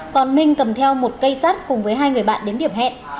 còn minh cầm theo một cây sát cùng với hai người bạn đến điểm hẹn